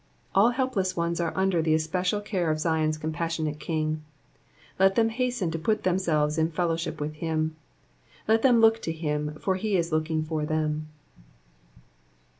All helpless ones are under the especial care of Zion's compassionate King ; let them hasten to put themselves in fellowship with him. Let them look to hira, for he is looking for them.